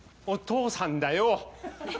お父さんだよ。